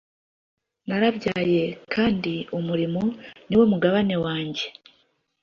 narabyaye, kandi umurimo niwo mugabane wanjye: